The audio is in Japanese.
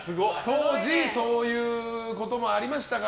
当時そういうこともありましたか。